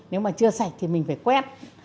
nếu mà chưa sạch thì mình phải quét